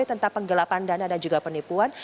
tentang penggelapan dana dan juga penipuan